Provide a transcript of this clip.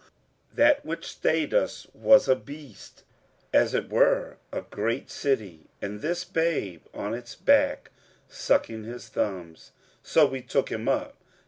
that which stayed us was a beast, as it were a great city, and this babe on its back, sucking his thumbs. So we took him up.'